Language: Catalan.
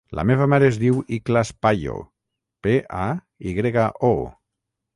La meva mare es diu Ikhlas Payo: pe, a, i grega, o.